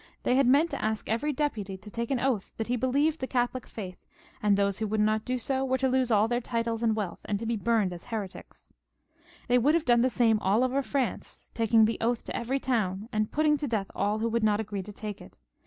They had meant to ask every deputy to take an oath that they be lieved the Catholic faith, and those who would not do so were to lose aU their titles and wealth, and to be burned as heretics. They would then have done the same all over France, taking the oath to every town and putting to death aU who would not agree to take it.